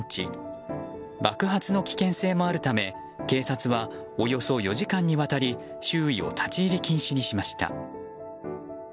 爆発の危険性もあるため警察はおよそ４時間にわたり周囲を立ち入り禁止にしました。